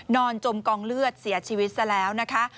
จมกองเลือดเสียชีวิตซะแล้วนะคะ